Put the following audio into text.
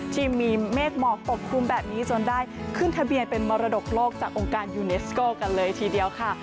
ที่มีเมฆหมอกปกคลุมแบบนี้จนได้ขึ้นทะเบียนเป็นมรดกโลกจากองค์การยูเนสโก้กันเลยทีเดียวค่ะ